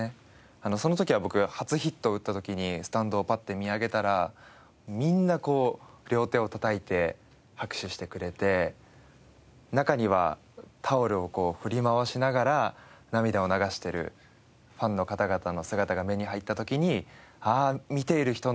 その時は僕初ヒットを打った時にスタンドをパッて見上げたらみんな両手を叩いて拍手してくれて中にはタオルを振り回しながら涙を流しているファンの方々の姿が目に入った時に。